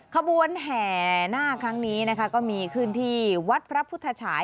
ขบวนแห่หน้าครั้งนี้นะคะก็มีขึ้นที่วัดพระพุทธฉาย